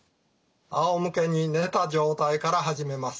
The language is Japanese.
あおむけに寝た状態から始めます。